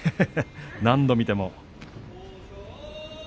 何度見ても。